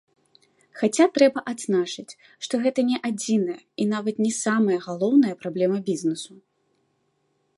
Хаця трэба адзначыць, што гэта не адзіная і нават не самая галоўная праблема бізнесу.